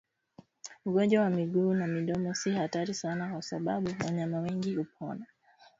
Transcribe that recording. Ugonjwa wa miguu na midomo si hatari sana kwa sababu wanyama wengi hupona